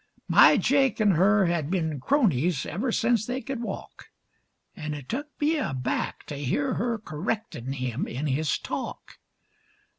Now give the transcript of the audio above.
My Jake an' her had been cronies ever since they could walk, An' it tuk me aback to hear her kerrectin' him in his talk.